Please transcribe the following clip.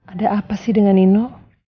ada apa sih dengan nino